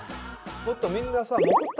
もっとみんなさ。